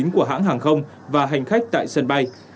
của hãng hàng không và hành khách tại sân bay